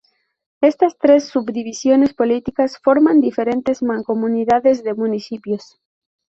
Estas tres subdivisiones políticas forman diferentes mancomunidades de municipios.